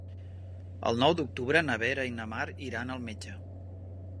El nou d'octubre na Vera i na Mar iran al metge.